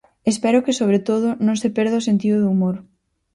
Espero que sobre todo non se perda o sentido do humor.